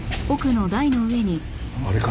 あれか？